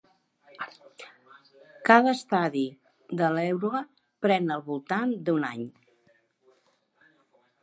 Cada estadi de l'eruga pren al voltant d'un any.